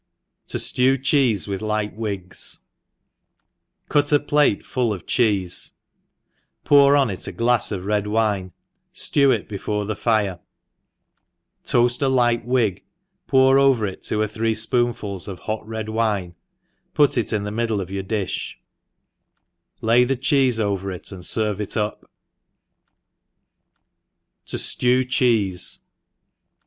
THo fiew Cheese with Lio«t Wigs* •• CUT a plateful of cheefe, pour on it a gla(« of red wine, ftew it before the fire, toafl: a light wig, pour over it two or three fpoonfuls of hoc red wine, put it in the middle of your difh, lay the cheefe «ver it^ and ferve it up. Tojiew Cheese.